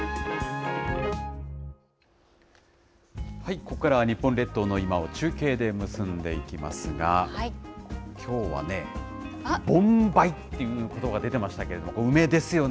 ここからは日本列島の今を中継で結んでいきますが、きょうはね、盆梅っていうことば出てましたけど、梅ですよね。